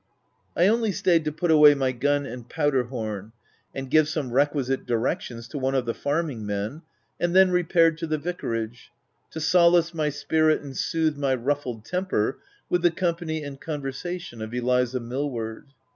I only stayed to put away my gun and powder horn, and give some requisite directions to one of the farming men, and then repaired to the vicarage, to solace my spirit and sooth my ruffled temper with the company and con versation of Eliza Mill ward.